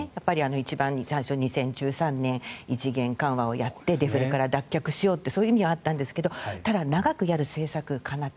一番に最初２０１３年異次元緩和をやってデフレから脱却しようとそういう意味はあったんですがただ、長くやる政策かな？と。